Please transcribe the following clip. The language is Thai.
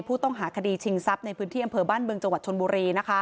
ผู้ต้องหาคดีชิงทรัพย์ในพื้นที่อำเภอบ้านบึงจังหวัดชนบุรี